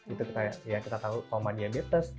itu kita ya kita tahu koma diabetes